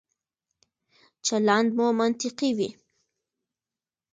چلند مو منطقي وي.